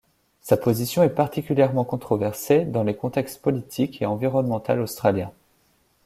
Sa position est particulièrement controversée dans les contextes politique et environnemental australiens.